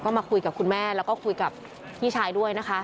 ก็มาคุยกับคุณแม่แล้วก็คุยกับพี่ชายด้วยนะคะ